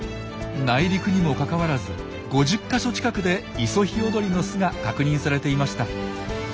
内陸にもかかわらず５０か所近くでイソヒヨドリの巣が確認されていました。